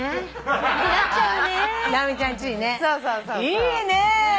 いいね！